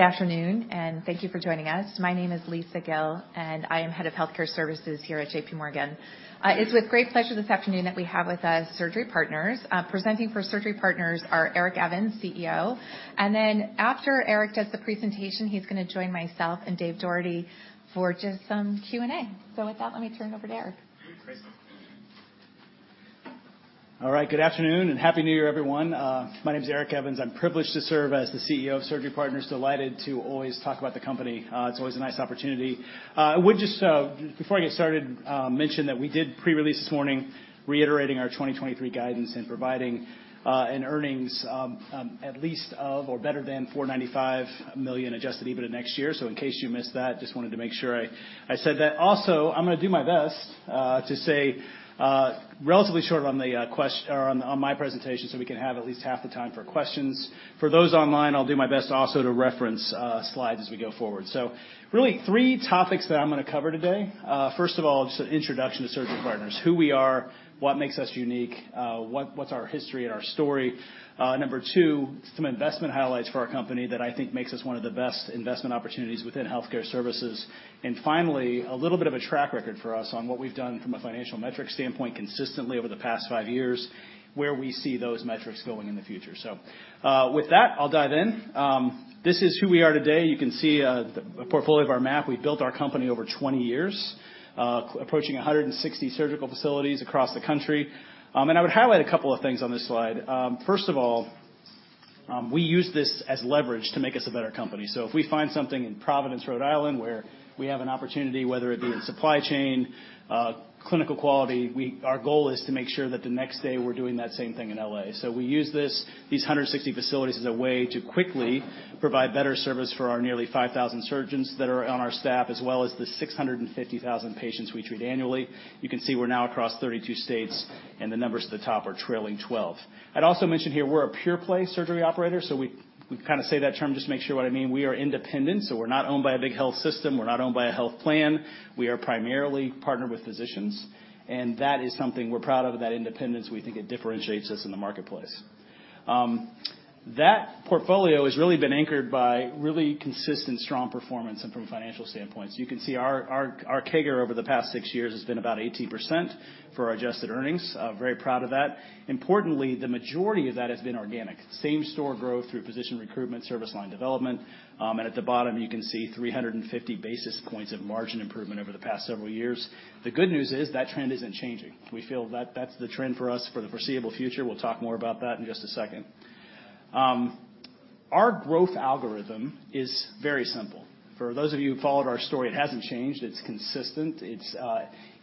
Good afternoon, and thank you for joining us. My name is Lisa Gill, and I am Head of Healthcare Services here at JPMorgan. It's with great pleasure this afternoon that we have with us Surgery Partners. Presenting for Surgery Partners are Eric Evans, CEO, and then after Eric does the presentation, he's gonna join myself and Dave Doherty for just some Q&A. So with that, let me turn it over to Eric. All right, good afternoon, and Happy New Year, everyone. My name is Eric Evans. I'm privileged to serve as the CEO of Surgery Partners. Delighted to always talk about the company. It's always a nice opportunity. I would just, before I get started, mention that we did pre-release this morning, reiterating our 2023 guidance and providing an earnings of at least or better than $495 million Adjusted EBITDA next year. So in case you missed that, just wanted to make sure I, I said that. Also, I'm gonna do my best to stay relatively short on my presentation, so we can have at least half the time for questions. For those online, I'll do my best also to reference slides as we go forward. So really, three topics that I'm gonna cover today. First of all, just an introduction to Surgery Partners, who we are, what makes us unique, what, what's our history and our story. Number two, some investment highlights for our company that I think makes us one of the best investment opportunities within healthcare services. And finally, a little bit of a track record for us on what we've done from a financial metric standpoint, consistently over the past five years, where we see those metrics going in the future. So, with that, I'll dive in. This is who we are today. You can see, a portfolio of our map. We've built our company over 20 years, approaching 160 surgical facilities across the country. And I would highlight a couple of things on this slide. First of all, we use this as leverage to make us a better company. So if we find something in Providence, Rhode Island, where we have an opportunity, whether it be in supply chain, clinical quality, our goal is to make sure that the next day we're doing that same thing in LA. So we use this, these 160 facilities, as a way to quickly provide better service for our nearly 5,000 surgeons that are on our staff, as well as the 650,000 patients we treat annually. You can see we're now across 32 states, and the numbers at the top are trailing twelve. I'd also mention here, we're a pure play surgery operator, so we kinda say that term just to make sure what I mean. We are independent, so we're not owned by a big health system. We're not owned by a health plan. We are primarily partnered with physicians, and that is something we're proud of, that independence. We think it differentiates us in the marketplace. That portfolio has really been anchored by really consistent, strong performance and from financial standpoints. You can see our CAGR over the past six years has been about 18% for our adjusted earnings. Very proud of that. Importantly, the majority of that has been organic. Same store growth through physician recruitment, service line development. And at the bottom, you can see 350 basis points of margin improvement over the past several years. The good news is, that trend isn't changing. We feel that that's the trend for us for the foreseeable future. We'll talk more about that in just a second. Our growth algorithm is very simple. For those of you who followed our story, it hasn't changed, it's consistent. It's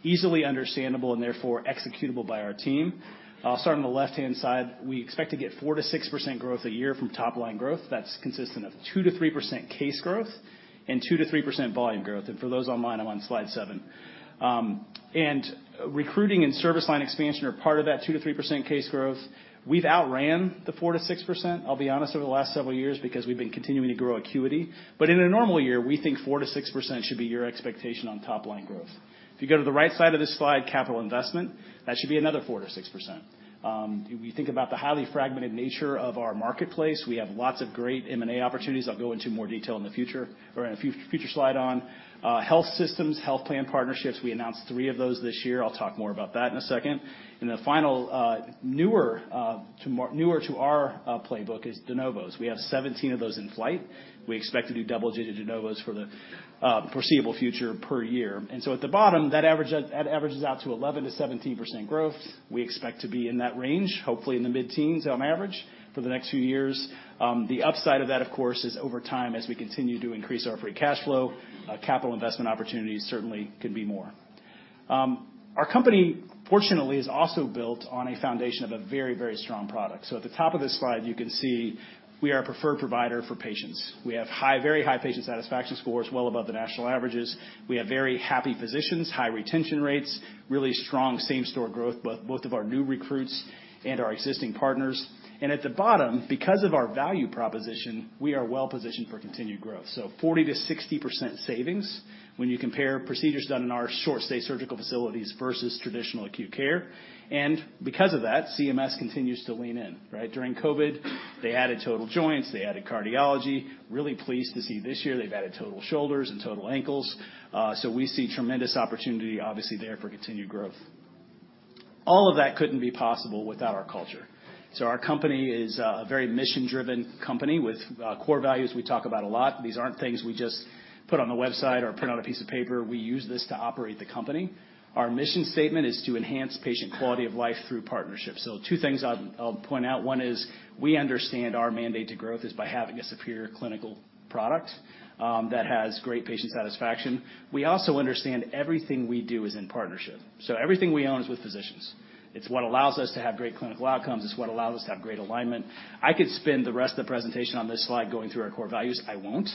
easily understandable and therefore executable by our team. I'll start on the left-hand side. We expect to get 4%-6% growth a year from top-line growth. That's consistent of 2%-3% case growth and 2%-3% volume growth. And for those online, I'm on slide 7. And recruiting and service line expansion are part of that 2%-3% case growth. We've outran the 4%-6%, I'll be honest, over the last several years because we've been continuing to grow acuity. But in a normal year, we think 4%-6% should be your expectation on top-line growth. If you go to the right side of this slide, capital investment, that should be another 4%-6%. If you think about the highly fragmented nature of our marketplace, we have lots of great M&A opportunities. I'll go into more detail in the future or in a future slide on. Health systems, health plan partnerships, we announced 3% of those this year. I'll talk more about that in a second. And the final, newer to our playbook is de novos. We have 17% of those in flight. We expect to do double-digit de novos for the foreseeable future per year. And so at the bottom, that average, that averages out to 11%-17% growth. We expect to be in that range, hopefully in the mid-teens on average for the next few years. The upside of that, of course, is over time, as we continue to increase our free cash flow, capital investment opportunities certainly could be more. Our company, fortunately, is also built on a foundation of a very, very strong product. So at the top of this slide, you can see we are a preferred provider for patients. We have high, very high patient satisfaction scores, well above the national averages. We have very happy physicians, high retention rates, really strong same-store growth, both of our new recruits and our existing partners. And at the bottom, because of our value proposition, we are well positioned for continued growth. So 40%-60% savings when you compare procedures done in our short stay surgical facilities versus traditional acute care. And because of that, CMS continues to lean in, right? During COVID, they added total joints, they added cardiology. Really pleased to see this year they've added total shoulders and total ankles. So we see tremendous opportunity, obviously, there for continued growth. All of that couldn't be possible without our culture. So our company is a very mission-driven company with core values we talk about a lot. These aren't things we just put on the website or print on a piece of paper. We use this to operate the company. Our mission statement is to enhance patient quality of life through partnerships. So two things I'll point out. One is, we understand our mandate to growth is by having a superior clinical product that has great patient satisfaction. We also understand everything we do is in partnership, so everything we own is with physicians. It's what allows us to have great clinical outcomes. It's what allows us to have great alignment. I could spend the rest of the presentation on this slide going through our core values. I won't,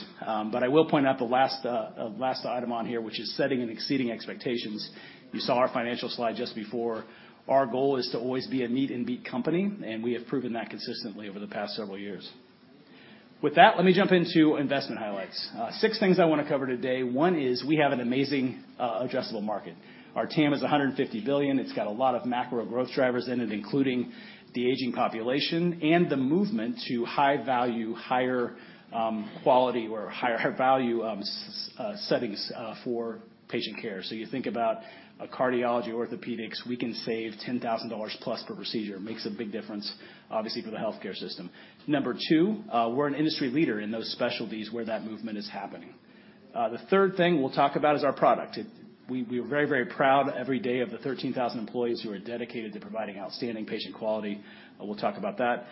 but I will point out the last item on here, which is setting and exceeding expectations. You saw our financial slide just before. Our goal is to always be a meet and beat company, and we have proven that consistently over the past several years. With that, let me jump into investment highlights. Six things I want to cover today. One is we have an amazing adjustable market. Our TAM is $150 billion. It's got a lot of macro growth drivers in it, including the aging population and the movement to high value, higher quality or higher value settings for patient care. So you think about a cardiology, orthopedics, we can save $10,000+ per procedure. Makes a big difference, obviously, for the healthcare system. Number two, we're an industry leader in those specialties where that movement is happening. The third thing we'll talk about is our product. We are very, very proud every day of the 13,000 employees who are dedicated to providing outstanding patient quality, and we'll talk about that.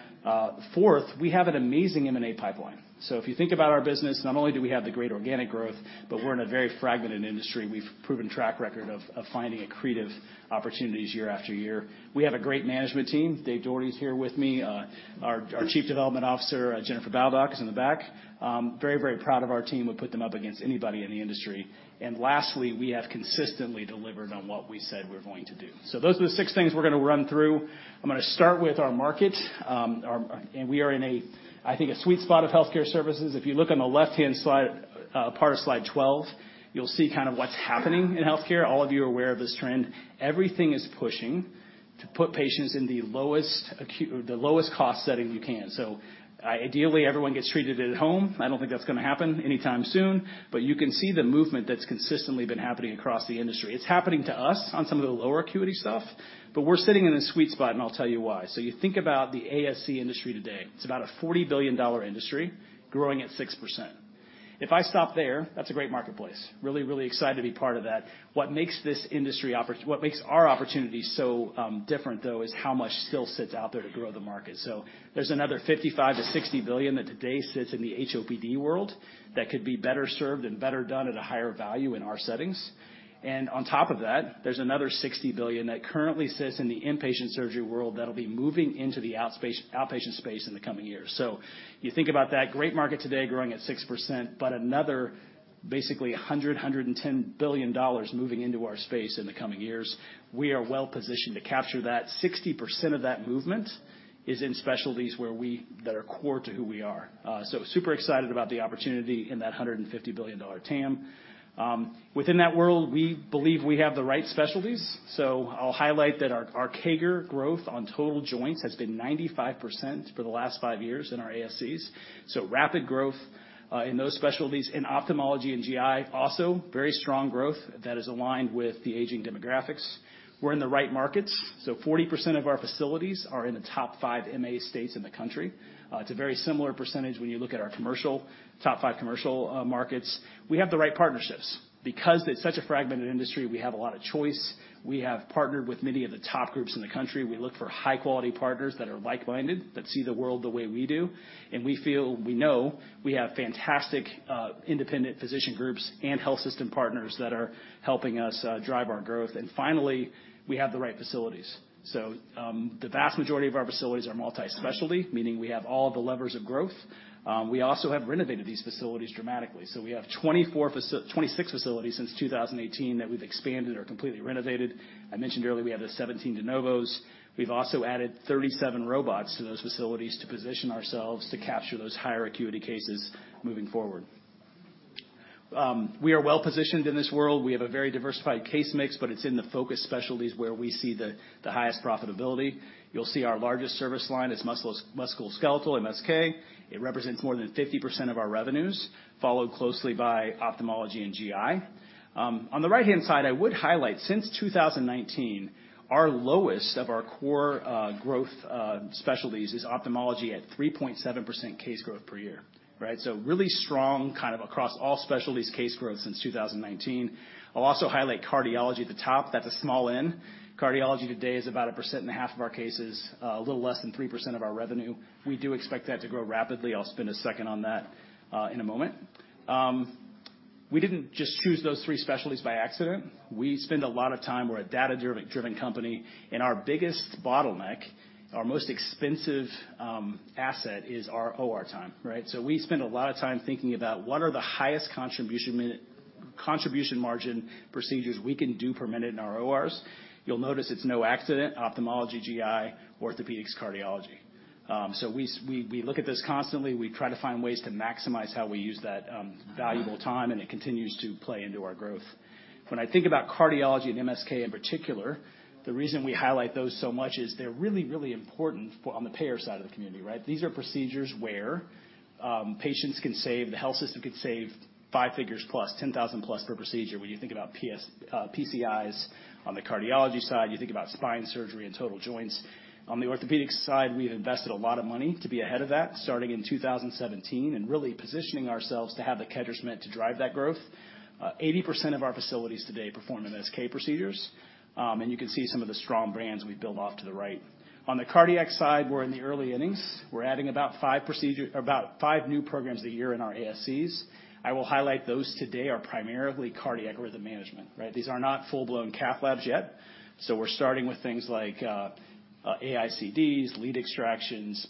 Fourth, we have an amazing M&A pipeline. So if you think about our business, not only do we have the great organic growth, but we're in a very fragmented industry, and we've proven track record of finding accretive opportunities year after year. We have a great management team. Dave Doherty is here with me. Our Chief Development Officer, Jennifer Baldock, is in the back. Very, very proud of our team. We put them up against anybody in the industry. And lastly, we have consistently delivered on what we said we're going to do. So those are the six things we're gonna run through. I'm gonna start with our market. And we are in a, I think, a sweet spot of healthcare services. If you look on the left-hand slide, part of slide 12, you'll see kind of what's happening in healthcare. All of you are aware of this trend. Everything is pushing to put patients in the lowest acuity, the lowest cost setting you can. So, ideally, everyone gets treated at home. I don't think that's gonna happen anytime soon, but you can see the movement that's consistently been happening across the industry. It's happening to us on some of the lower acuity stuff, but we're sitting in a sweet spot, and I'll tell you why. So you think about the ASC industry today. It's about a $40 billion industry growing at 6%. If I stop there, that's a great marketplace. Really, really excited to be part of that. What makes this industry what makes our opportunity so different, though, is how much still sits out there to grow the market. So there's another $55 billion-$60 billion that today sits in the HOPD world that could be better served and better done at a higher value in our settings. And on top of that, there's another $60 billion that currently sits in the inpatient surgery world that'll be moving into the outpatient space in the coming years. So you think about that, great market today growing at 6%, but another basically $110 billion moving into our space in the coming years. We are well positioned to capture that. 60% of that movement is in specialties where we-- that are core to who we are. So super excited about the opportunity in that $150 billion TAM. Within that world, we believe we have the right specialties, so I'll highlight that our, our CAGR growth on total joints has been 95% for the last five years in our ASCs. So rapid growth in those specialties. In ophthalmology and GI, also very strong growth that is aligned with the aging demographics. We're in the right markets, so 40% of our facilities are in the top five MA states in the country. It's a very similar percentage when you look at our commercial, top 5 commercial markets. We have the right partnerships. Because it's such a fragmented industry, we have a lot of choice. We have partnered with many of the top groups in the country. We look for high-quality partners that are like-minded, that see the world the way we do, and we feel, we know we have fantastic independent physician groups and health system partners that are helping us drive our growth. And finally, we have the right facilities. So, the vast majority of our facilities are multi-specialty, meaning we have all the levers of growth. We also have renovated these facilities dramatically. So we have 26 facilities since 2018 that we've expanded or completely renovated. I mentioned earlier, we have the 17 de novos. We've also added 37 robots to those facilities to position ourselves to capture those higher acuity cases moving forward. We are well positioned in this world. We have a very diversified case mix, but it's in the focus specialties where we see the, the highest profitability. You'll see our largest service line is musculoskeletal, MSK. It represents more than 50% of our revenues, followed closely by ophthalmology and GI. On the right-hand side, I would highlight, since 2019, our lowest of our core growth specialties is ophthalmology at 3.7% case growth per year, right? So really strong, kind of across all specialties, case growth since 2019. I'll also highlight cardiology at the top. That's a small in. Cardiology today is about 1.5% of our cases, a little less than 3% of our revenue. We do expect that to grow rapidly. I'll spend a second on that in a moment. We didn't just choose those three specialties by accident. We spend a lot of time. We're a data-driven company, and our biggest bottleneck, our most expensive asset, is our OR time, right? So we spend a lot of time thinking about what are the highest contribution margin procedures we can do per minute in our ORs. You'll notice it's no accident, ophthalmology, GI, orthopedics, cardiology. So we look at this constantly. We try to find ways to maximize how we use that valuable time, and it continues to play into our growth. When I think about cardiology and MSK in particular, the reason we highlight those so much is they're really, really important for on the payer side of the community, right? These are procedures where patients can save, the health system could save five figures plus, $10,000+ per procedure. When you think about EPs, PCIs on the cardiology side, you think about spine surgery and total joints. On the orthopedics side, we've invested a lot of money to be ahead of that, starting in 2017, and really positioning ourselves to have the catchment to drive that growth. 80% of our facilities today perform MSK procedures, and you can see some of the strong brands we've built off to the right. On the cardiac side, we're in the early innings. We're adding about five procedures, about five new programs a year in our ASCs. I will highlight those today are primarily cardiac rhythm management, right? These are not full-blown cath labs yet, so we're starting with things like, AICDs, lead extractions,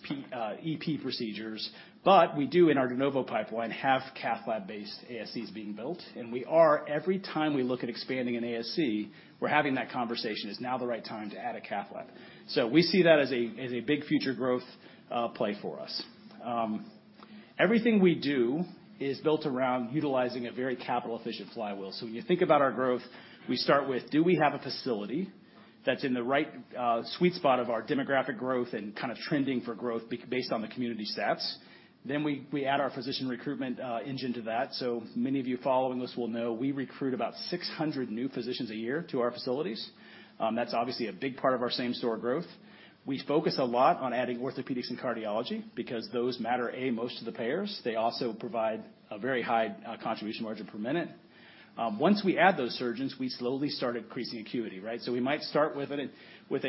EP procedures, but we do, in our de novo pipeline, have cath lab-based ASCs being built, and we are, every time we look at expanding an ASC, we're having that conversation: Is now the right time to add a cath lab? So we see that as a, as a big future growth, play for us. Everything we do is built around utilizing a very capital efficient flywheel. So when you think about our growth, we start with, do we have a facility that's in the right sweet spot of our demographic growth and kind of trending for growth based on the community stats? Then we add our physician recruitment engine to that. So many of you following this will know, we recruit about 600 new physicians a year to our facilities. That's obviously a big part of our same store growth. We focus a lot on adding orthopedics and cardiology because those matter, A, most to the payers. They also provide a very high contribution margin per minute. Once we add those surgeons, we slowly start increasing acuity, right? So we might start with a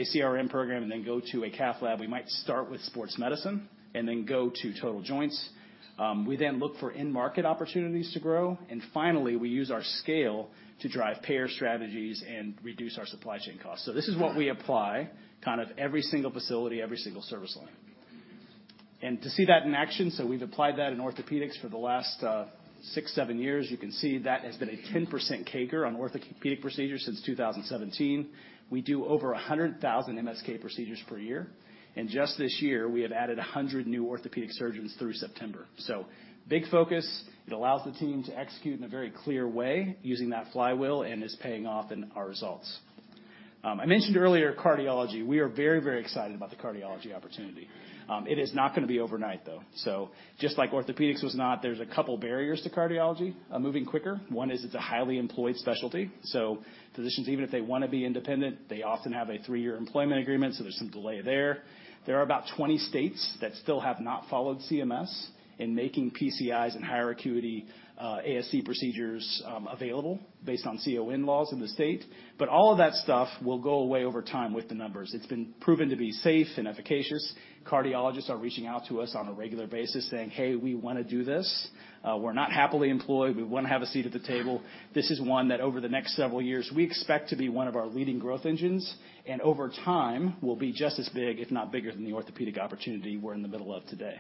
CRM program and then go to a Cath Lab. We might start with sports medicine and then go to total joints. We then look for in-market opportunities to grow, and finally, we use our scale to drive payer strategies and reduce our supply chain costs. So this is what we apply, kind of every single facility, every single service line. And to see that in action, so we've applied that in orthopedics for the last 6-7 years. You can see that has been a 10% CAGR on orthopedic procedures since 2017. We do over 100,000 MSK procedures per year, and just this year, we have added 100 new orthopedic surgeons through September. So big focus. It allows the team to execute in a very clear way using that flywheel and is paying off in our results. I mentioned earlier cardiology. We are very, very excited about the cardiology opportunity. It is not gonna be overnight, though. So just like orthopedics was not, there's a couple barriers to cardiology moving quicker. One is it's a highly employed specialty, so physicians, even if they wanna be independent, they often have a three-year employment agreement, so there's some delay there. There are about 20 states that still have not followed CMS in making PCIs and higher acuity ASC procedures available based on CON laws in the state. But all of that stuff will go away over time with the numbers. It's been proven to be safe and efficacious. Cardiologists are reaching out to us on a regular basis saying, "Hey, we wanna do this. We're not happily employed. We wanna have a seat at the table." This is one that over the next several years, we expect to be one of our leading growth engines, and over time, will be just as big, if not bigger, than the orthopedic opportunity we're in the middle of today.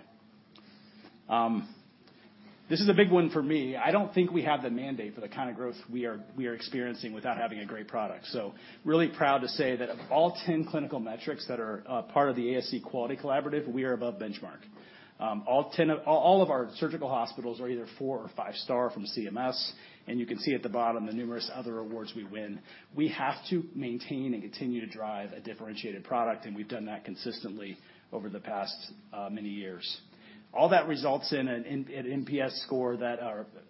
This is a big one for me. I don't think we have the mandate for the kind of growth we are experiencing without having a great product. So really proud to say that of all 10 clinical metrics that are part of the ASC Quality Collaboration, we are above benchmark. All 10 of our surgical hospitals are either four- or five-star from CMS, and you can see at the bottom the numerous other awards we win. We have to maintain and continue to drive a differentiated product, and we've done that consistently over the past many years. All that results in an NPS score that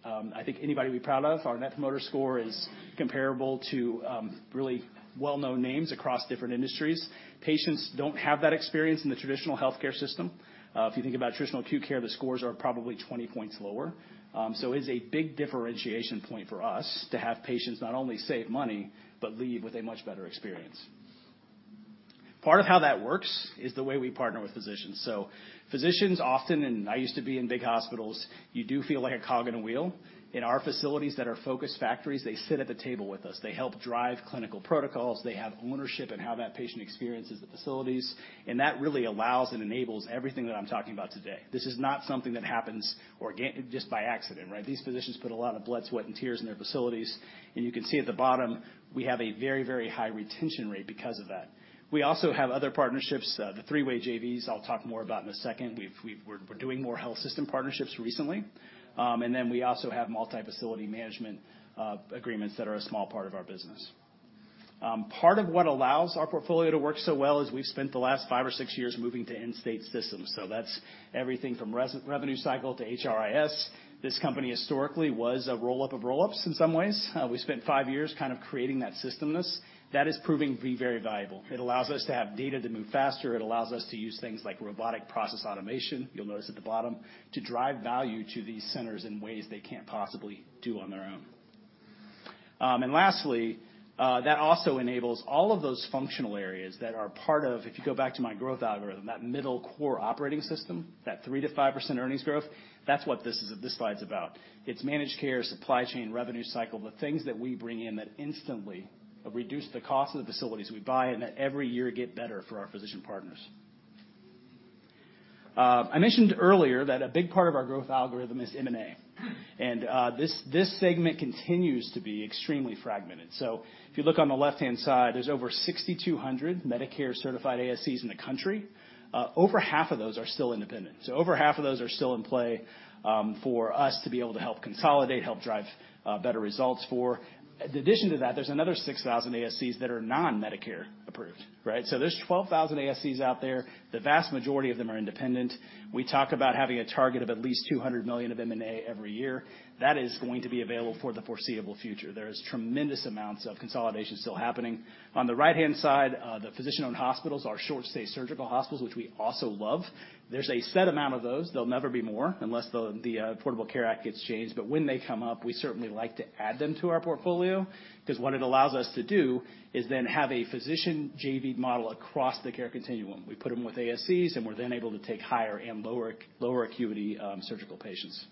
I think anybody would be proud of. Our Net Promoter Score is comparable to really well-known names across different industries. Patients don't have that experience in the traditional healthcare system. If you think about traditional acute care, the scores are probably 20 points lower. So it's a big differentiation point for us to have patients not only save money, but leave with a much better experience. Part of how that works is the way we partner with physicians. So physicians often, and I used to be in big hospitals, you do feel like a cog in a wheel. In our facilities that are focused factories, they sit at the table with us. They help drive clinical protocols. They have ownership in how that patient experiences the facilities, and that really allows and enables everything that I'm talking about today. This is not something that happens just by accident, right? These physicians put a lot of blood, sweat, and tears in their facilities, and you can see at the bottom, we have a very, very high retention rate because of that. We also have other partnerships, the three-way JVs I'll talk more about in a second. We're doing more health system partnerships recently. And then we also have multi-facility management agreements that are a small part of our business. Part of what allows our portfolio to work so well is we've spent the last five or six years moving to in-state systems. So that's everything from revenue cycle to HRIS. This company historically was a roll-up of roll-ups in some ways. We spent five years kind of creating that systemness. That is proving to be very valuable. It allows us to have data to move faster. It allows us to use things like robotic process automation, you'll notice at the bottom, to drive value to these centers in ways they can't possibly do on their own. And lastly, that also enables all of those functional areas that are part of, if you go back to my growth algorithm, that middle core operating system, that 3%-5% earnings growth, that's what this is, this slide's about. It's managed care, supply chain, revenue cycle, the things that we bring in that instantly reduce the cost of the facilities we buy and that every year get better for our physician partners. I mentioned earlier that a big part of our growth algorithm is M&A, and, this segment continues to be extremely fragmented. So if you look on the left-hand side, there's over 6,200 Medicare-certified ASCs in the country. Over half of those are still independent. So over half of those are still in play, for us to be able to help consolidate, help drive, better results for. In addition to that, there's another 6,000 ASCs that are non-Medicare approved, right? So there's 12,000 ASCs out there. The vast majority of them are independent. We talk about having a target of at least $200 million of M&A every year. That is going to be available for the foreseeable future. There is tremendous amounts of consolidation still happening. On the right-hand side, the physician-owned hospitals are short-stay surgical hospitals, which we also love. There's a set amount of those. There'll never be more unless the Affordable Care Act gets changed. But when they come up, we certainly like to add them to our portfolio, because what it allows us to do is then have a physician JV model across the care continuum. We put them with ASCs, and we're then able to take higher and lower acuity surgical patients.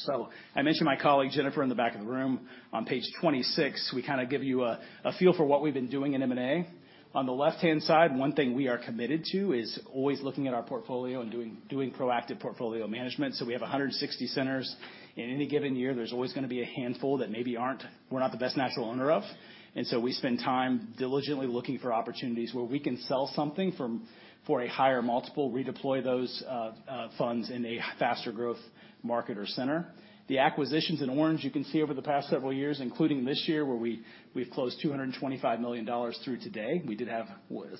So I mentioned my colleague, Jennifer, in the back of the room. On page 26, we kind of give you a feel for what we've been doing in M&A. On the left-hand side, one thing we are committed to is always looking at our portfolio and doing proactive portfolio management. So we have 160 centers. In any given year, there's always gonna be a handful that maybe aren't, we're not the best natural owner of, and so we spend time diligently looking for opportunities where we can sell something for a higher multiple, redeploy those funds in a faster growth market or center. The acquisitions in orange, you can see over the past several years, including this year, where we, we've closed $225 million through today. We did have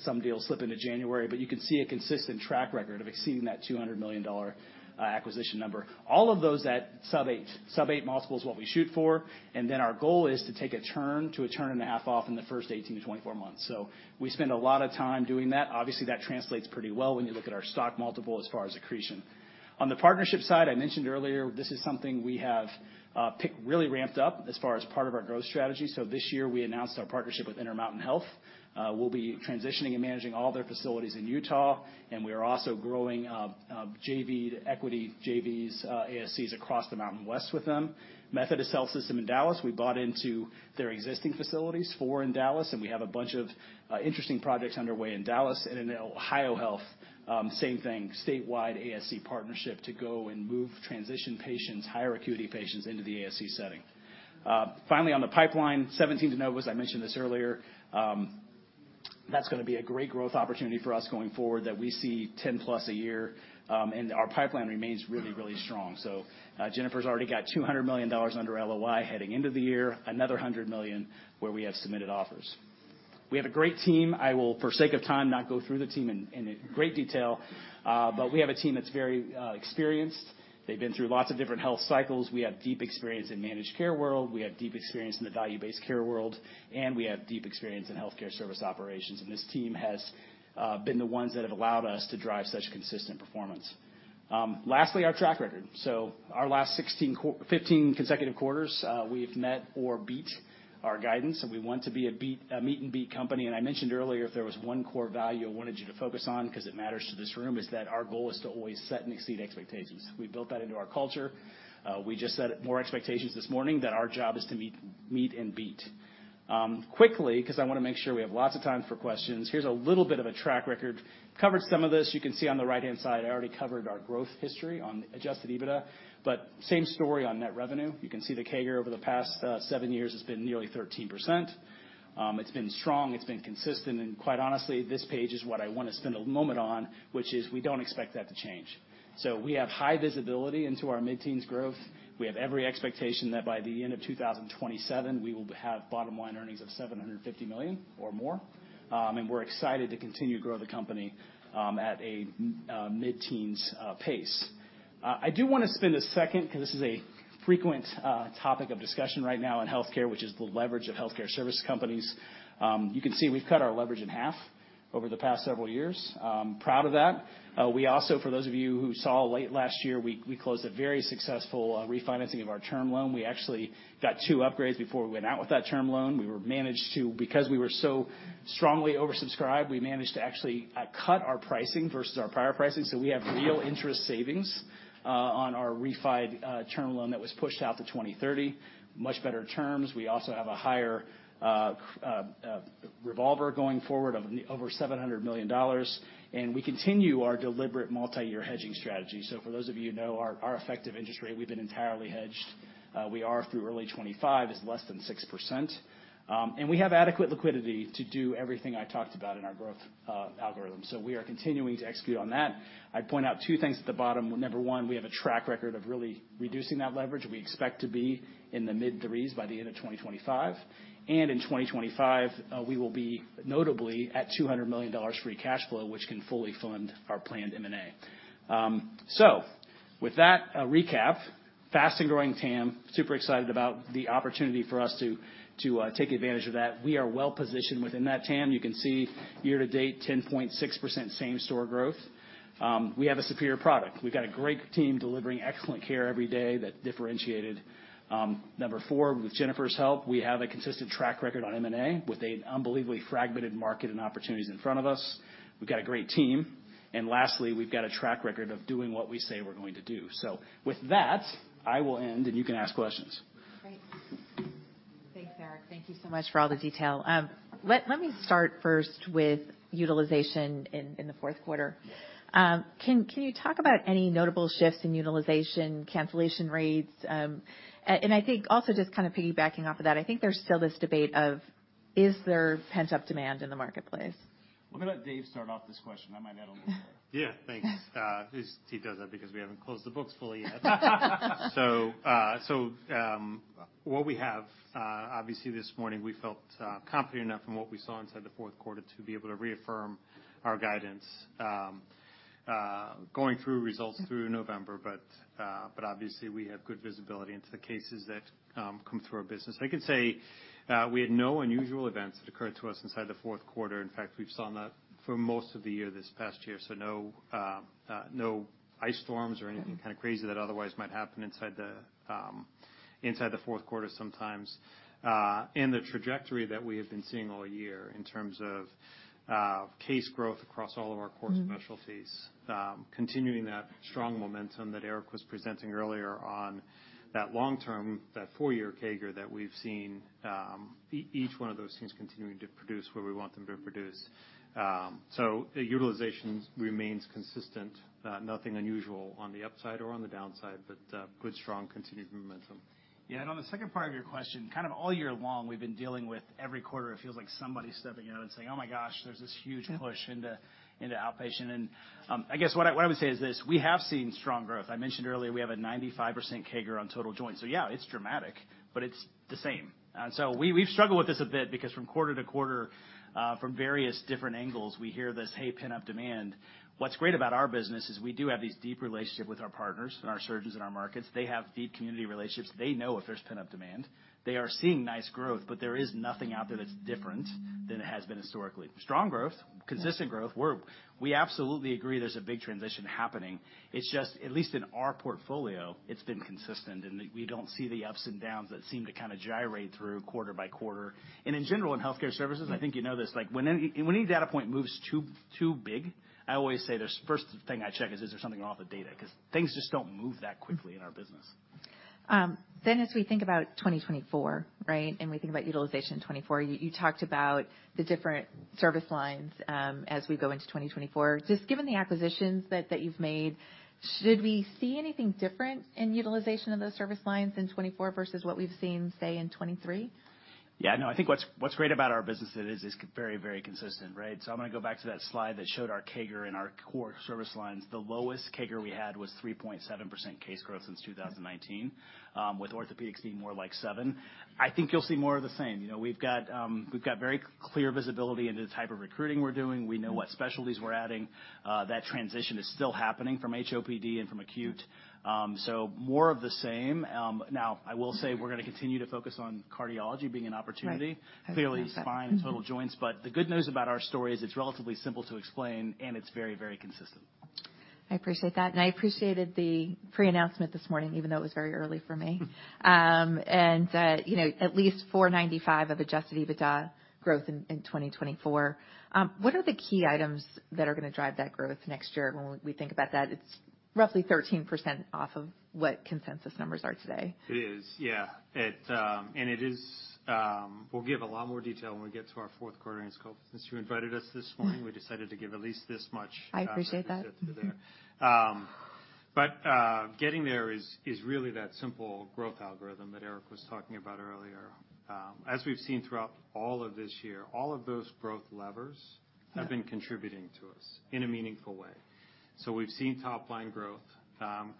some deals slip into January, but you can see a consistent track record of exceeding that $200 million acquisition number. All of those at sub-8. Sub-8 multiple is what we shoot for, and then our goal is to take a turn to a turn and a half off in the first 18-24 months. So we spend a lot of time doing that. Obviously, that translates pretty well when you look at our stock multiple as far as accretion. On the partnership side, I mentioned earlier, this is something we have really ramped up as far as part of our growth strategy. So this year, we announced our partnership with Intermountain Health. We'll be transitioning and managing all their facilities in Utah, and we are also growing JV to equity JVs, ASCs across the Mountain West with them. Methodist Health System in Dallas, we bought into their existing facilities, 4 in Dallas, and we have a bunch of interesting projects underway in Dallas. In OhioHealth, same thing, statewide ASC partnership to go and move transition patients, higher acuity patients into the ASC setting. Finally, on the pipeline, 17 de novos, I mentioned this earlier. That's gonna be a great growth opportunity for us going forward, that we see 10+ a year, and our pipeline remains really, really strong. So, Jennifer's already got $200 million under LOI heading into the year, another $100 million, where we have submitted offers. We have a great team. I will, for sake of time, not go through the team in great detail, but we have a team that's very experienced. They've been through lots of different health cycles. We have deep experience in managed care world, we have deep experience in the value-based care world, and we have deep experience in healthcare service operations, and this team has been the ones that have allowed us to drive such consistent performance. Lastly, our track record. So our last fifteen consecutive quarters, we've met or beat our guidance, and we want to be a beat, a meet and beat company. I mentioned earlier, if there was one core value I wanted you to focus on, because it matters to this room, is that our goal is to always set and exceed expectations. We built that into our culture. We just set more expectations this morning that our job is to meet, meet and beat. Quickly, because I wanna make sure we have lots of time for questions. Here's a little bit of a track record. Covered some of this. You can see on the right-hand side, I already covered our growth history on Adjusted EBITDA, but same story on net revenue. You can see the CAGR over the past seven years has been nearly 13%. It's been strong, it's been consistent, and quite honestly, this page is what I wanna spend a moment on, which is we don't expect that to change. So we have high visibility into our mid-teens growth. We have every expectation that by the end of 2027, we will have bottom line earnings of $750 million or more, and we're excited to continue to grow the company at a mid-teens pace. I do wanna spend a second, because this is a frequent topic of discussion right now in healthcare, which is the leverage of healthcare service companies. You can see we've cut our leverage in half over the past several years. I'm proud of that. We also, for those of you who saw late last year, we closed a very successful refinancing of our term loan. We actually got two upgrades before we went out with that term loan. Because we were so strongly oversubscribed, we managed to actually cut our pricing versus our prior pricing. So we have real interest savings on our refi'd term loan that was pushed out to 2030. Much better terms. We also have a higher revolver going forward of over $700 million, and we continue our deliberate multiyear hedging strategy. So for those of you who know our effective interest rate, we've been entirely hedged. We are through early 25, is less than 6%, and we have adequate liquidity to do everything I talked about in our growth algorithm. So we are continuing to execute on that. I'd point out two things at the bottom. Number one, we have a track record of really reducing that leverage. We expect to be in the mid-threes by the end of 2025, and in 2025, we will be notably at $200 million free cash flow, which can fully fund our planned M&A. So with that, a recap. Fast and growing TAM. Super excited about the opportunity for us to take advantage of that. We are well positioned within that TAM. You can see year-to-date, 10.6% same store growth. We have a superior product. We've got a great team delivering excellent care every day that differentiated. Number four, with Jennifer's help, we have a consistent track record on M&A with an unbelievably fragmented market and opportunities in front of us. We've got a great team, and lastly, we've got a track record of doing what we say we're going to do. So with that, I will end, and you can ask questions. Great. Thanks, Eric. Thank you so much for all the detail. Let me start first with utilization in the fourth quarter. Can you talk about any notable shifts in utilization, cancellation rates? And I think also just kind of piggybacking off of that, I think there's still this debate of, is there pent-up demand in the marketplace? We're gonna let Dave start off this question. I might add a little bit. Yeah, thanks. He does that because we haven't closed the books fully yet. So, what we have, obviously this morning, we felt confident enough from what we saw inside the fourth quarter to be able to reaffirm our guidance, going through results through November, but obviously, we have good visibility into the cases that come through our business. I can say, we had no unusual events that occurred to us inside the fourth quarter. In fact, we've saw that for most of the year this past year, so no ice storms or anything kind of crazy that otherwise might happen inside the... Inside the fourth quarter sometimes, and the trajectory that we have been seeing all year in terms of, case growth across all of our core specialties, continuing that strong momentum that Eric was presenting earlier on, that long-term, that four-year CAGR that we've seen, each one of those things continuing to produce where we want them to produce. So the utilizations remains consistent. Nothing unusual on the upside or on the downside, but good, strong, continued momentum. Yeah, and on the second part of your question, kind of all year long, we've been dealing with every quarter, it feels like somebody stepping out and saying, "Oh, my gosh, there's this huge push into, into outpatient." And, I guess what I, what I would say is this: We have seen strong growth. I mentioned earlier we have a 95% CAGR on total joints. So yeah, it's dramatic, but it's the same. So we, we've struggled with this a bit because from quarter to quarter, from various different angles, we hear this, "Hey, pent-up demand." What's great about our business is we do have these deep relationships with our partners and our surgeons in our markets. They have deep community relationships. They know if there's pent-up demand. They are seeing nice growth, but there is nothing out there that's different than it has been historically. Strong growth, consistent growth. We absolutely agree there's a big transition happening. It's just, at least in our portfolio, it's been consistent, and we don't see the ups and downs that seem to kind of gyrate through quarter by quarter. And in general, in healthcare services, I think you know this, like, when any, when any data point moves too, too big, I always say the first thing I check is, is there something off the data? Because things just don't move that quickly in our business. Then as we think about 2024, right, and we think about utilization in 2024, you, you talked about the different service lines, as we go into 2024. Just given the acquisitions that, that you've made, should we see anything different in utilization of those service lines in 2024 versus what we've seen, say, in 2023? Yeah, no, I think what's great about our business is it is very, very consistent, right? So I'm going to go back to that slide that showed our CAGR and our core service lines. The lowest CAGR we had was 3.7% case growth since 2019, with orthopedics being more like 7%. I think you'll see more of the same. You know, we've got very clear visibility into the type of recruiting we're doing. We know what specialties we're adding. That transition is still happening from HOPD and from acute. So more of the same. Now, I will say we're going to continue to focus on cardiology being an opportunity. Right. Fairly spine and total joints. But the good news about our story is it's relatively simple to explain, and it's very, very consistent. I appreciate that, and I appreciated the pre-announcement this morning, even though it was very early for me. You know, at least $495 of Adjusted EBITDA growth in 2024. What are the key items that are going to drive that growth next year? When we think about that, it's roughly 13% off of what consensus numbers are today. It is, yeah. It. And it is, we'll give a lot more detail when we get to our fourth quarter in scope. Since you invited us this morning, we decided to give at least this much. I appreciate that. But, getting there is really that simple growth algorithm that Eric was talking about earlier. As we've seen throughout all of this year, all of those growth levers have been contributing to us in a meaningful way. So we've seen top line growth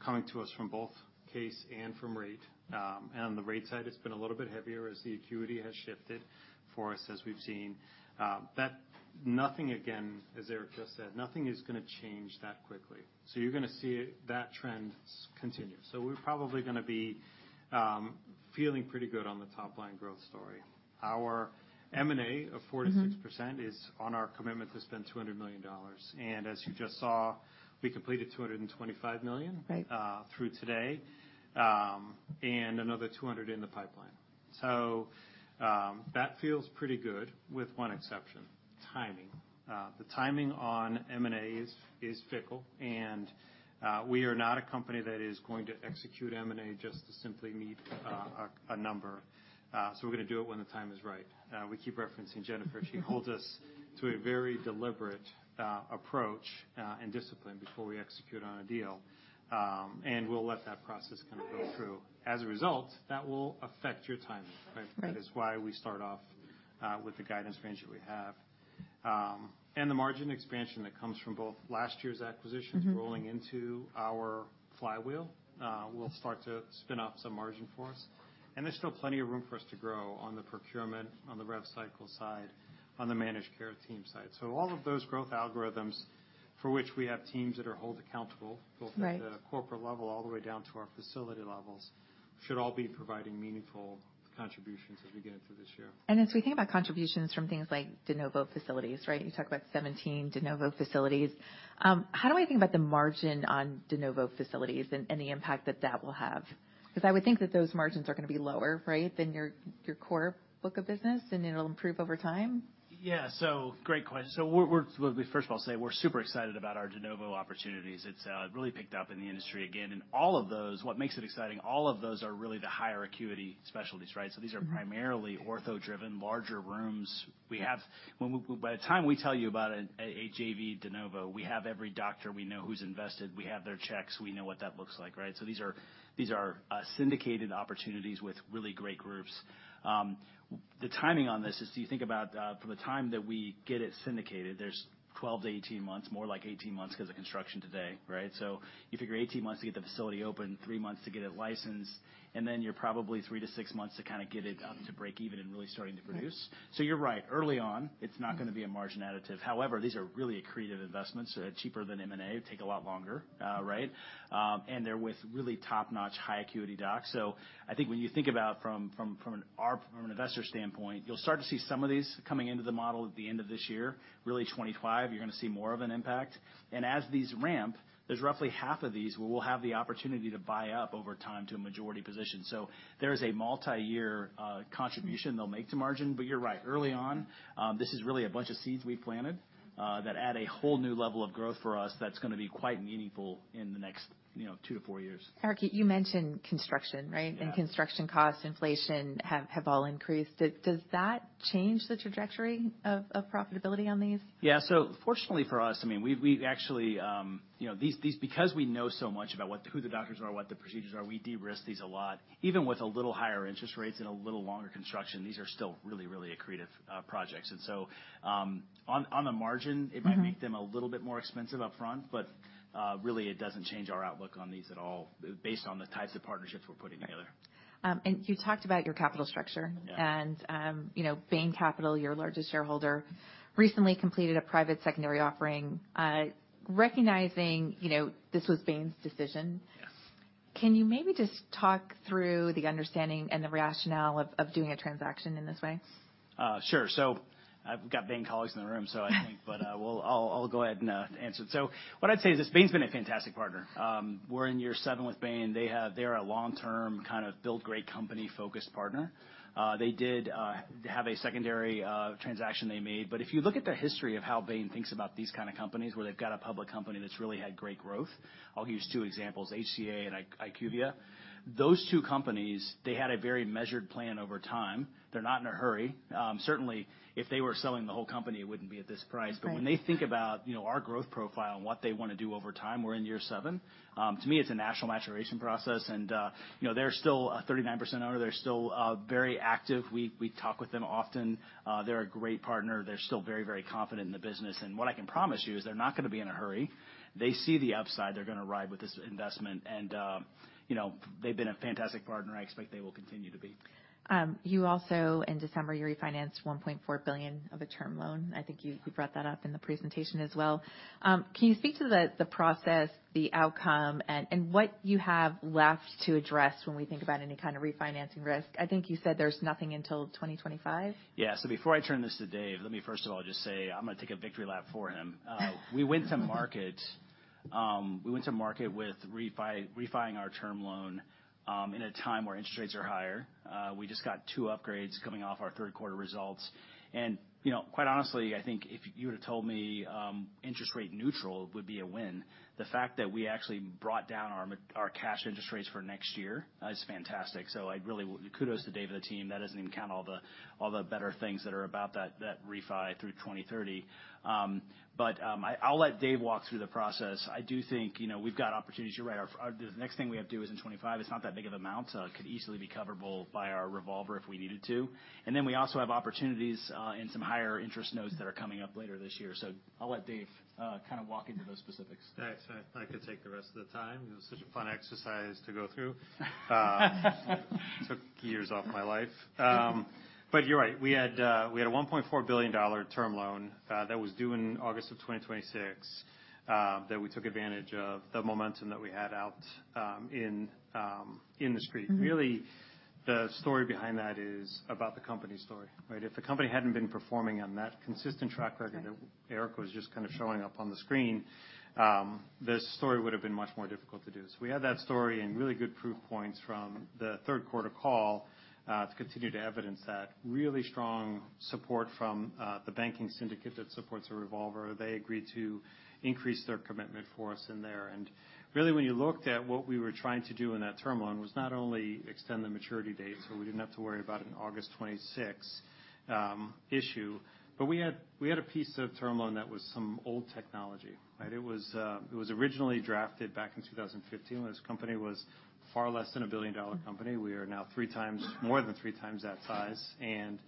coming to us from both case and from rate. And on the rate side, it's been a little bit heavier as the acuity has shifted for us, as we've seen. That nothing, again, as Eric just said, nothing is going to change that quickly. So you're going to see that trend continue. So we're probably going to be feeling pretty good on the top line growth story. Our M&A of 4%-6%- Mm-hmm.... is on our commitment to spend $200 million. As you just saw, we completed $225 million- Right.... through today, and another 200 in the pipeline. So, that feels pretty good, with one exception: timing. The timing on M&A is fickle, and we are not a company that is going to execute M&A just to simply meet a number. So we're going to do it when the time is right. We keep referencing Jennifer. She holds us to a very deliberate approach and discipline before we execute on a deal. And we'll let that process kind of go through. As a result, that will affect your timing, right? Right. That is why we start off with the guidance range that we have. And the margin expansion that comes from both last year's acquisitions- Mm-hmm.... rolling into our flywheel, will start to spin up some margin for us, and there's still plenty of room for us to grow on the procurement, on the rev cycle side, on the managed care team side. So all of those growth algorithms for which we have teams that are held accountable- Right.... both at the corporate level, all the way down to our facility levels, should all be providing meaningful contributions as we get into this year. As we think about contributions from things like de novo facilities, right? You talked about 17 de novo facilities. How do I think about the margin on de novo facilities and the impact that that will have? Because I would think that those margins are going to be lower, right, than your core book of business, and it'll improve over time. Yeah. So great question. First of all, we're super excited about our de novo opportunities. It's really picked up in the industry again. And all of those, what makes it exciting, all of those are really the higher acuity specialties, right? Mm-hmm. So these are primarily ortho-driven, larger rooms. By the time we tell you about a JV de novo, we have every doctor we know who's invested, we have their checks, we know what that looks like, right? So these are syndicated opportunities with really great groups. The timing on this is, so you think about, from the time that we get it syndicated, there's 12-18 months, more like 18 months, because of construction today, right? So you figure 18 months to get the facility open, 3 months to get it licensed, and then you're probably 3-6 months to kind of get it to break even and really starting to produce. Right. So you're right. Early on, it's not going to be a margin additive. However, these are really accretive investments, cheaper than M&A, take a lot longer, right? And they're with really top-notch, high acuity docs. So I think when you think about from an investor standpoint, you'll start to see some of these coming into the model at the end of this year. Really, 2025, you're going to see more of an impact. And as these ramp, there's roughly half of these where we'll have the opportunity to buy up over time to a majority position. So there is a multiyear contribution- Mm-hmm.... they'll make to margin. But you're right, early on, this is really a bunch of seeds we've planted that add a whole new level of growth for us that's going to be quite meaningful in the next, you know, 2-4 years. Eric, you mentioned construction, right? Yeah. Construction costs, inflation, have all increased. Does that change the trajectory of profitability on these? Yeah. So fortunately for us, I mean, we've actually, you know, these-- Because we know so much about what-- who the doctors are, what the procedures are, we de-risk these a lot. Even with a little higher interest rates and a little longer construction, these are still really, really accretive, projects. And so, on the margin. Mm-hmm. It might make them a little bit more expensive upfront, but really, it doesn't change our outlook on these at all based on the types of partnerships we're putting together. You talked about your capital structure. Yeah. You know, Bain Capital, your largest shareholder, recently completed a private secondary offering. Recognizing, you know, this was Bain's decision. Yes. Can you maybe just talk through the understanding and the rationale of, of doing a transaction in this way? Sure. So I've got Bain colleagues in the room, but we'll, I'll go ahead and answer. So what I'd say is this: Bain's been a fantastic partner. We're in year seven with Bain. They're a long-term, kind of build great company, focused partner. They did have a secondary transaction they made. But if you look at the history of how Bain thinks about these kind of companies, where they've got a public company that's really had great growth, I'll use two examples, HCA and IQVIA. Those two companies, they had a very measured plan over time. They're not in a hurry. Certainly, if they were selling the whole company, it wouldn't be at this price. Right. But when they think about, you know, our growth profile and what they wanna do over time, we're in year 7. To me, it's a natural maturation process, and, you know, they're still a 39% owner. They're still very active. We talk with them often. They're a great partner. They're still very, very confident in the business. And what I can promise you is they're not gonna be in a hurry. They see the upside. They're gonna ride with this investment, and, you know, they've been a fantastic partner, and I expect they will continue to be. You also, in December, you refinanced $1.4 billion of a term loan. I think you brought that up in the presentation as well. Can you speak to the process, the outcome, and what you have left to address when we think about any kind of refinancing risk? I think you said there's nothing until 2025. Yeah. So before I turn this to Dave, let me first of all just say, I'm gonna take a victory lap for him. We went to market, we went to market with refining our term loan, in a time where interest rates are higher. We just got two upgrades coming off our third quarter results, and, you know, quite honestly, I think if you would've told me, interest rate neutral would be a win, the fact that we actually brought down our cash interest rates for next year is fantastic. So I'd really... Kudos to Dave and the team. That doesn't even count all the better things that are about that refi through 2030. But, I'll let Dave walk through the process. I do think, you know, we've got opportunities. You're right, the next thing we have to do is in 2025. It's not that big of amount, so it could easily be coverable by our revolver if we needed to. And then, we also have opportunities in some higher interest notes that are coming up later this year. So I'll let Dave kind of walk into those specifics. Thanks. I could take the rest of the time. It was such a fun exercise to go through. Took years off my life. But you're right. We had a $1.4 billion term loan that was due in August 2026 that we took advantage of the momentum that we had out in the street. Mm-hmm. Really, the story behind that is about the company story, right? If the company hadn't been performing on that consistent track record- Right. That Eric was just kind of showing up on the screen, this story would've been much more difficult to do. So we had that story and really good proof points from the third quarter call, to continue to evidence that really strong support from, the banking syndicate that supports a revolver. They agreed to increase their commitment for us in there, and really, when you looked at what we were trying to do in that term loan, was not only extend the maturity date, so we didn't have to worry about an August 2026, issue, but we had, we had a piece of term loan that was some old technology, right? It was, it was originally drafted back in 2015, when this company was far less than a billion-dollar company. We are now three times, more than three times that size, and,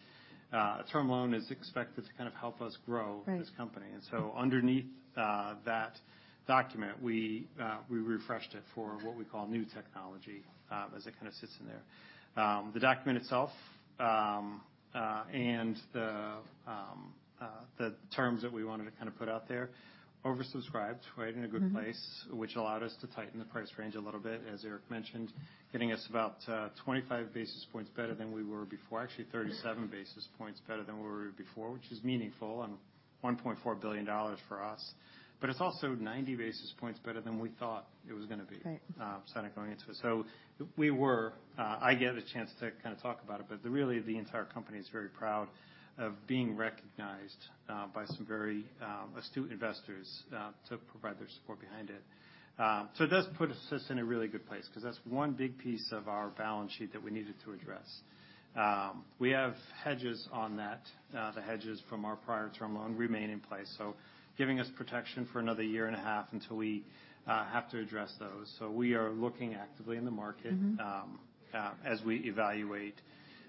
a term loan is expected to kind of help us grow- Right. This company. And so underneath that document, we, we refreshed it for what we call new technology, as it kind of sits in there. The document itself, and the, the terms that we wanted to kind of put out there, oversubscribed, right? Mm-hmm. In a good place, which allowed us to tighten the price range a little bit, as Eric mentioned, getting us about 25 basis points better than we were before. Actually, 37 basis points better than we were before, which is meaningful on $1.4 billion for us, but it's also 90 basis points better than we thought it was gonna be- Right. Kind of going into it. So we were, I get a chance to kind of talk about it, but really, the entire company is very proud of being recognized by some very astute investors to provide their support behind it. So it does put us in a really good place, 'cause that's one big piece of our balance sheet that we needed to address. We have hedges on that. The hedges from our prior term loan remain in place, so giving us protection for another year and a half until we have to address those. So we are looking actively in the market- Mm-hmm. As we evaluate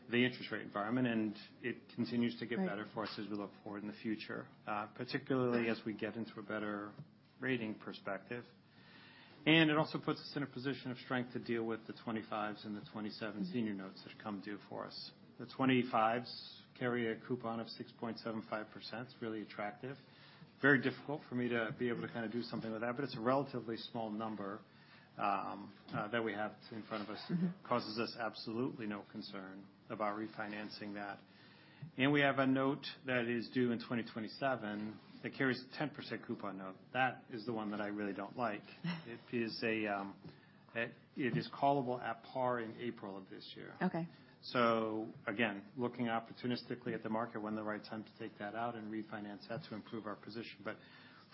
the interest rate environment, and it continues to get- Right. Better for us as we look forward in the future, particularly- Right. As we get into a better rating perspective. It also puts us in a position of strength to deal with the 25s and the 27- Mm-hmm. Senior notes that have come due for us. The 25s carry a coupon of 6.75%. It's really attractive. Very difficult for me to be able to kind of do something with that, but it's a relatively small number that we have in front of us. Mm-hmm. Causes us absolutely no concern about refinancing that. We have a note that is due in 2027, that carries a 10% coupon note. That is the one that I really don't like. It is callable at par in April of this year. Okay. Again, looking opportunistically at the market when the right time to take that out and refinance that to improve our position.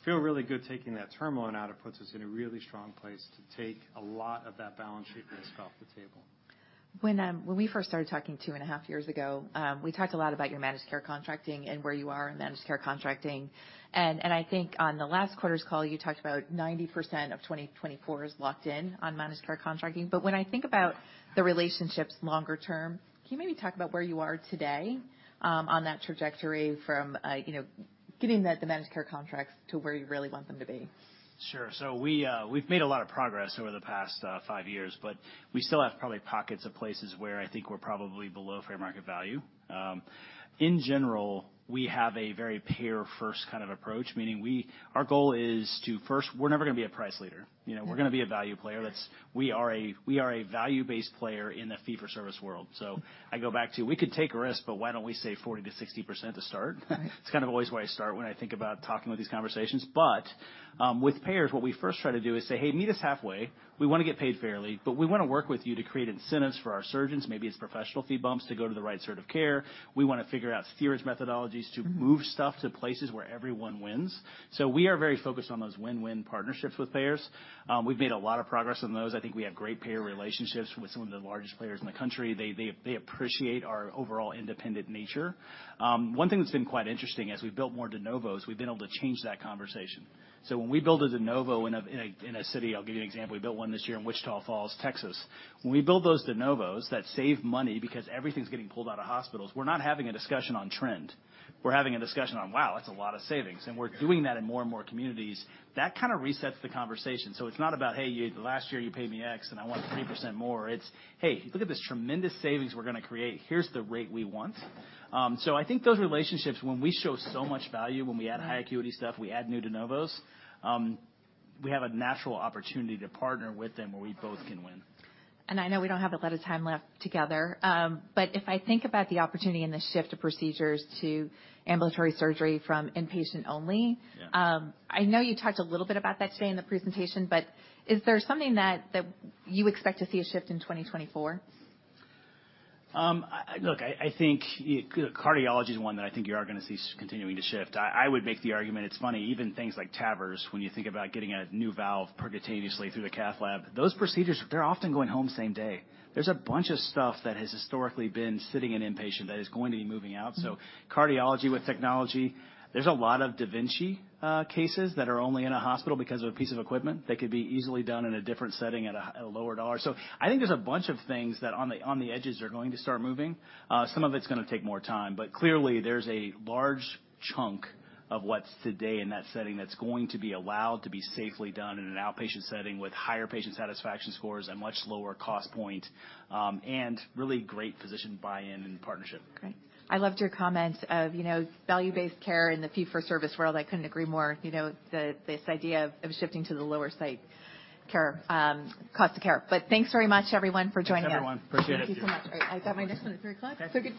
Feel really good taking that term loan out. It puts us in a really strong place to take a lot of that balance sheet risk off the table. When we first started talking 2.5 years ago, we talked a lot about your managed care contracting and where you are in managed care contracting, and I think on the last quarter's call, you talked about 90% of 2024 is locked in on managed care contracting. But when I think about the relationships longer term, can you maybe talk about where you are today, on that trajectory from, you know, getting the managed care contracts to where you really want them to be? Sure. So we've made a lot of progress over the past five years, but we still have probably pockets of places where I think we're probably below fair market value. In general, we have a very payer-first kind of approach, meaning our goal is to, first, we're never going to be a price leader. You know, we're going to be a value player. That's. We are a value-based player in the fee-for-service world. So I go back to, we could take a risk, but why don't we say 40%-60% to start? It's kind of always where I start when I think about talking about these conversations. But with payers, what we first try to do is say, "Hey, meet us halfway. We want to get paid fairly, but we want to work with you to create incentives for our surgeons. Maybe it's professional fee bumps to go to the right sort of care. We want to figure out theories, methodologies, to move stuff to places where everyone wins. So we are very focused on those win-win partnerships with payers. We've made a lot of progress on those. I think we have great payer relationships with some of the largest players in the country. They appreciate our overall independent nature. One thing that's been quite interesting, as we've built more de novos, we've been able to change that conversation. So when we build a de novo in a city, I'll give you an example. We built one this year in Wichita Falls, Texas. When we build those de novos, that save money because everything's getting pulled out of hospitals, we're not having a discussion on trend. We're having a discussion on, "Wow, that's a lot of savings." And we're doing that in more and more communities. That kind of resets the conversation. So it's not about, "Hey, you, the last year you paid me X, and I want 3% more." It's, "Hey, look at this tremendous savings we're going to create. Here's the rate we want." So I think those relationships, when we show so much value, when we add high acuity stuff, we add new de novos, we have a natural opportunity to partner with them where we both can win. I know we don't have a lot of time left together, but if I think about the opportunity and the shift of procedures to ambulatory surgery from inpatient only- Yeah. I know you talked a little bit about that today in the presentation, but is there something that you expect to see a shift in 2024? Look, I, I think cardiology is one that I think you are going to see continuing to shift. I, I would make the argument, it's funny, even things like TAVRs, when you think about getting a new valve percutaneously through the cath lab, those procedures, they're often going home same day. There's a bunch of stuff that has historically been sitting in inpatient that is going to be moving out. So cardiology with technology, there's a lot of da Vinci cases that are only in a hospital because of a piece of equipment that could be easily done in a different setting at a lower dollar. So I think there's a bunch of things that on the edges, are going to start moving. Some of it's going to take more time, but clearly, there's a large chunk of what's today in that setting that's going to be allowed to be safely done in an outpatient setting with higher patient satisfaction scores and much lower cost point, and really great physician buy-in and partnership. Great. I loved your comment of, you know, value-based care in the fee-for-service world. I couldn't agree more. You know, this idea of shifting to the lower site care, cost of care. But thanks very much, everyone, for joining us. Thanks, everyone. Appreciate it. Thank you so much. I've got my next one at 3:00 P.M.? That's great.